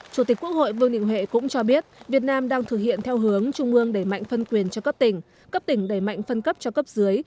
chủ tịch quốc hội vương đình huệ cũng cho biết việt nam đang thực hiện theo hướng trung ương đẩy mạnh phân quyền cho cấp tỉnh cấp tỉnh đẩy mạnh phân cấp cho cấp dưới